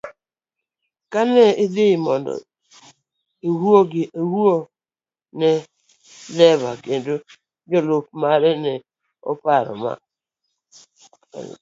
Kane odhi mondo owuog ne dereba koda jalup mare, ne oparo Ma.